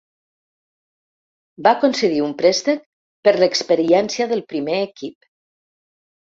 Va concedir un préstec per l'experiència del primer equip.